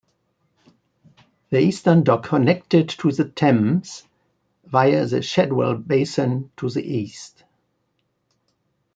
The Eastern Dock connected to the Thames via the Shadwell Basin to the east.